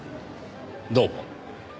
どうも。